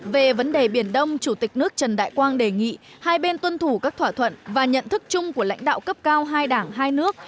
về vấn đề biển đông chủ tịch nước trần đại quang đề nghị hai bên tuân thủ các thỏa thuận và nhận thức chung của lãnh đạo cấp cao hai đảng hai nước